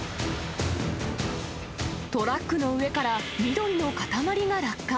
トラックの上から緑の塊が落下。